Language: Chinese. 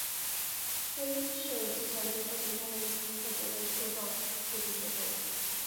堆是计算机科学中的一种特别的树状数据结构。